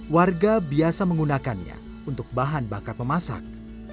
warga biasa menggunakannya untuk bahan bakar memasak